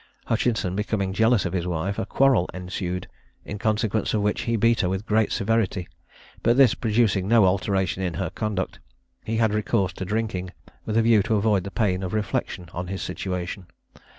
Hutchinson becoming jealous of his wife, a quarrel ensued, in consequence of which he beat her with great severity; but this producing no alteration in her conduct, he had recourse to drinking, with a view to avoid the pain of reflection on his situation.